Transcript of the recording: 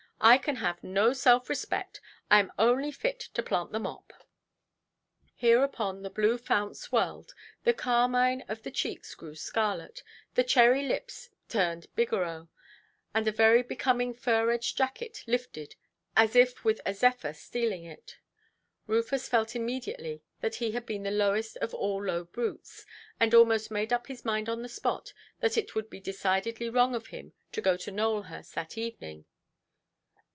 I can have no self–respect. I am only fit to plant the mop". Hereupon the blue founts welled, the carmine of the cheeks grew scarlet, the cherry lips turned bigarreaux, and a very becoming fur–edged jacket lifted, as if with a zephyr stealing it. Rufus felt immediately that he had been the lowest of all low brutes; and almost made up his mind on the spot that it would be decidedly wrong of him to go to Nowelhurst that evening.